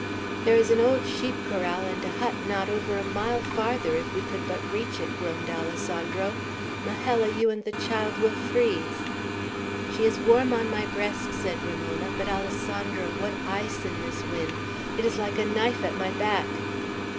"There is an old sheep corral and a hut not over a mile farther, if we could but reach it!" groaned Alessandro. "Majella, you and the child will freeze." "She is warm on my breast," said Ramona; "but, Alessandro, what ice in this wind! It is like a knife at my back!"